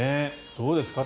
どうですか？